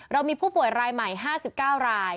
เรามีผู้ป่วยรายใหม่๕๙ราย